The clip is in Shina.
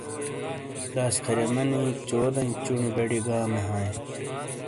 داسخریمانی چودٸیں چُونی بڑیٸے گامے ہاٸیں ۔